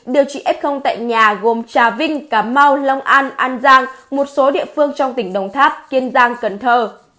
điều trị f tại nhà gồm trà vinh cà mau long an an giang một số địa phương trong tỉnh đồng tháp kiên giang cần thơ